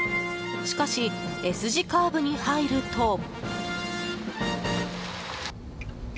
しかしＳ字カーブに入ると。